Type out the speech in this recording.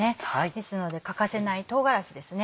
ですので欠かせない唐辛子ですね。